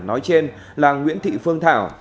nói trên là nguyễn thị phương thảo